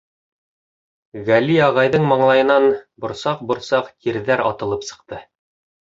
Гәли ағайҙың маңлайынан борсаҡ-борсаҡ тир-ҙәр атылып сыҡты.